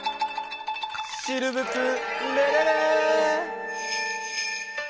シルヴプレレレ！